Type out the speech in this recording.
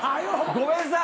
ごめんなさい。